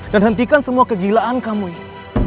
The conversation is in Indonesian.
dan hentikan semua kegilaan kamu ini